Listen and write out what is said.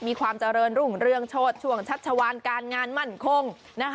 มีความเจริญรุ่งเรื่องโชดช่วงชัชวานการงานมั่นคง